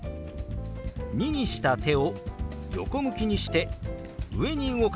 「２」にした手を横向きにして上に動かします。